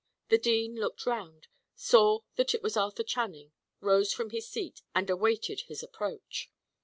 The dean looked round, saw that it was Arthur Channing, rose from his seat, and awaited his approach.